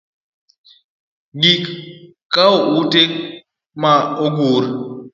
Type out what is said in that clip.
Gik kowo ote ma ogur.